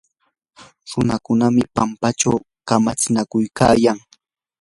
runakunam pampachaw kamatsinakuykayan.